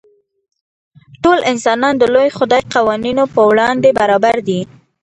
ټول انسانان د لوی خدای قوانینو په وړاندې برابر دي.